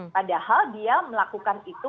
padahal dia melakukan itu